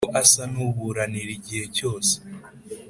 ko asa n'uburanira igihe cyose?